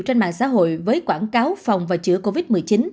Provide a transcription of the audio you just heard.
trên mạng xã hội với quảng cáo phòng và chữa covid một mươi chín